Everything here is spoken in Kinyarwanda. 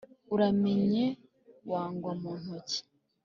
uramenye wangwa mu ntoki